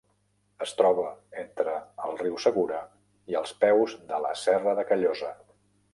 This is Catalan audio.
Es troba entre el riu Segura i als peus de la Serra de Callosa.